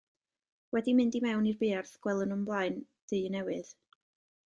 Wedi mynd i mewn i'r buarth, gwelwn o'm blaen dŷ newydd.